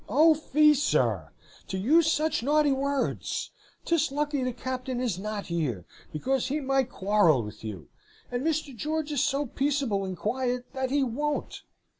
'O fie, sir! to use such naughty words. 'Tis lucky the Captain is not here, because he might quarrel with you; and Mr. George is so peaceable and quiet, that he won't.